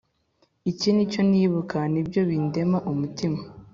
Iki ni cyo nibuka, Ni byo bindema umutima.